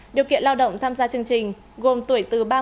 điều kiện lao động tham gia chương trình gồm tuổi từ ba mươi